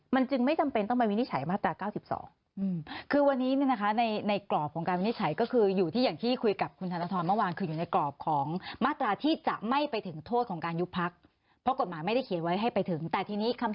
มันจึงไม่จำเป็นต้องไปวินิจฉัยมาตรา๙๒